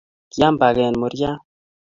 kiam paket muryat.